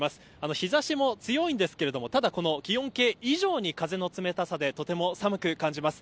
日差しも強いんですけどただ気温計以上に風の冷たさでとても寒く感じます。